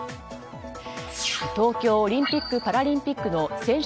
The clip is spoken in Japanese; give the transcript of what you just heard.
東京オリンピック・パラリンピックの選手